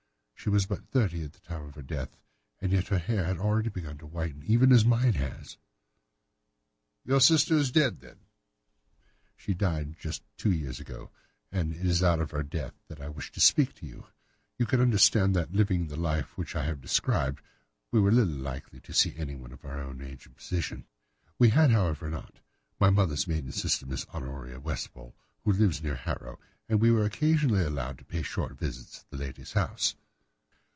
She was but thirty at the time of her death, and yet her hair had already begun to whiten, even as mine has." "Your sister is dead, then?" "She died just two years ago, and it is of her death that I wish to speak to you. You can understand that, living the life which I have described, we were little likely to see anyone of our own age and position. We had, however, an aunt, my mother's maiden sister, Miss Honoria Westphail, who lives near Harrow, and we were occasionally allowed to pay short visits at this lady's house.